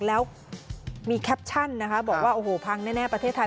แล้วมีแคปชั่นนะคะบอกว่าโอ้โหพังแน่ประเทศไทย